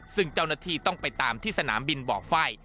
ซึ่งเจ้าหน้าที่ต้องไปตามที่สนามบินบ่อไฟ